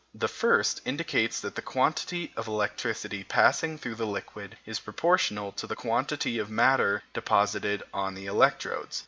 The first indicates that the quantity of electricity passing through the liquid is proportional to the quantity of matter deposited on the electrodes.